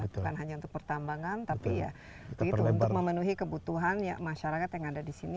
tidak hanya untuk pertambangan tapi untuk memenuhi kebutuhan masyarakat yang ada di sini